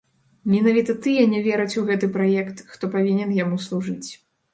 Менавіта тыя не вераць у гэты праект, хто павінен яму служыць.